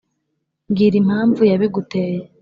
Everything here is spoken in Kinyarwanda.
mbwira impamvu yabiguteye